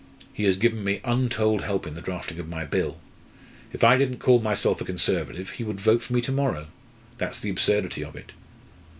He has given me untold help in the drafting of my Bill. If I didn't call myself a Conservative, he would vote for me to morrow. That's the absurdity of it.